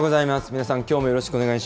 皆さん、きょうもよろしくお願い